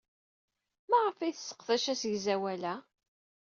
Maɣef ay tesseqdac asegzawal-a?